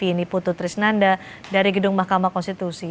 ini putu trisnanda dari gedung mahkamah konstitusi